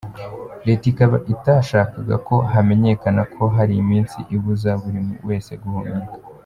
Leta ikaba itashakaga ko hamenyekana ko hari iminsi ibuza buri wese guhumeka.